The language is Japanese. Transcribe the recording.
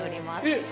◆えっ！？